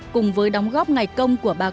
cùng với đóng góp ngày công của bà nguyễn